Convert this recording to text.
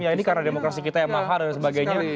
ya ini karena demokrasi kita yang mahal dan sebagainya